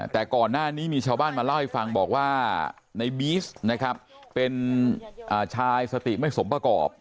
แต่ก่อนหน้านี้มีชาวบ้านมาเล่าให้ฟังบอกว่าในบีสนะครับเป็นชายสติไม่สมประกอบ